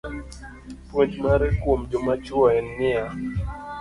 Puonj mare kuom joma chuo en niya: